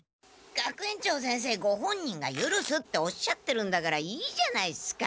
学園長先生ご本人が「ゆるす」っておっしゃってるんだからいいじゃないっすか。